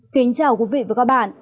kính chào quý vị và các bạn